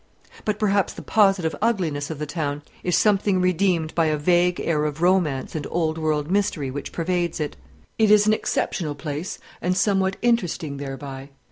But perhaps the positive ugliness of the town is something redeemed by a vague air of romance and old world mystery which pervades it. It is an exceptional place, and somewhat interesting thereby.